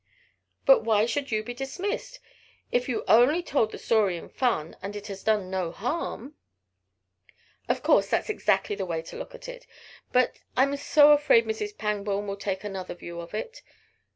"But why should you be dismissed? If you only told the story in fun, and it has done no harm " "Of course that's exactly the way to look at it. But I'm so afraid Mrs. Pangborn will take another view of it.